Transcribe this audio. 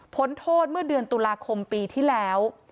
โทษเมื่อเดือนตุลาคมปีที่แล้ว